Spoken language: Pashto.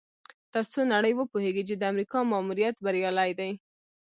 تر څو نړۍ وپوهیږي چې د امریکا ماموریت بریالی دی.